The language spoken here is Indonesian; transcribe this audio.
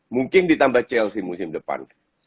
mungkin ditambah chelsea musim depan